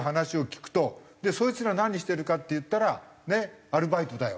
そいつら何してるかっていったらアルバイトだよ。